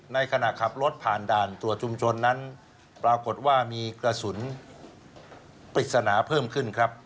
ในขณะขับรถผ่านด่านตรวจชุมชนนั้นปรากฏว่ามีกระสุนปริศนาเพิ่มขึ้นครับ